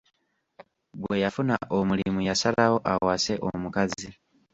Bwe yafuna omulimu yasalawo awase omukazi.